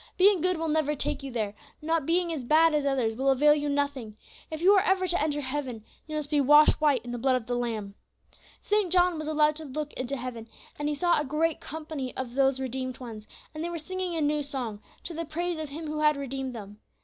Being good will never take you there, not being as bad as others will avail you nothing; if you are ever to enter heaven, you must be washed white in the blood of the Lamb. "St. John was allowed to look into heaven, and he saw a great company of these redeemed ones, and they were singing a new song, to the praise of Him who had redeemed them.